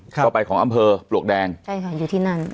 ครับต่อไปของอัมเพอปลวกแดงใช่อยู่ที่นั่น